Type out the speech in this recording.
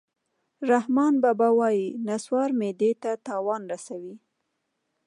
رحمان بابا وایي: نصوار معدې ته تاوان رسوي